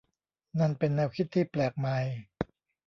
นั่นเป็นแนวคิดที่แปลกใหม่